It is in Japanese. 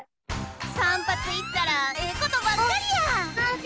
さんぱついったらええことばっかりや。